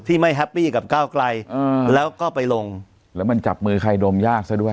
ไม่แฮปปี้กับก้าวไกลแล้วก็ไปลงแล้วมันจับมือใครดมยากซะด้วย